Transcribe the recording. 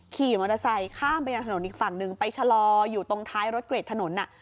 ขี่มอเตอร์ไซค์ข้ามไปทางถนนอีกฝั่งหนึ่งไปชะลออยู่ตรงท้ายรถเกรดถนน